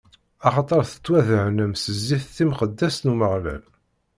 Axaṭer tettwadehnem s zzit timqeddest n Umeɣlal.